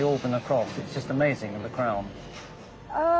ああ。